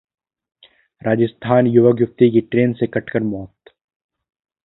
राजस्थानः युवक-युवती की ट्रेन से कटकर मौत